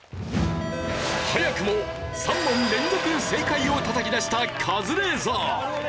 早くも３問連続正解をたたき出したカズレーザー。